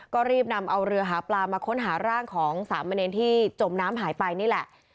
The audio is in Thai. ก็รีบนำเอาเรือหาปลามาค้นหาร่างของสามเณรที่จมน้ำหายไปนี่แหละ